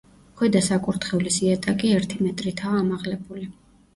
ქვედა საკურთხევლის იატაკი ერთი მეტრითაა ამაღლებული.